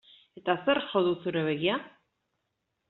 Eta zerk jo du zure begia?